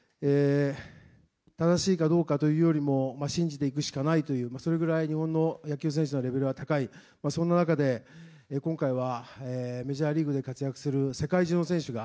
正しいかどうかというよりも信じていくしかないというそれぐらい野球選手のレベルが高いそんな中で今回はメジャーリーグで活躍する世界中の選手